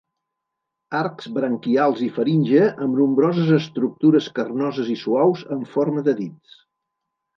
Arcs branquials i faringe amb nombroses estructures carnoses i suaus en forma de dits.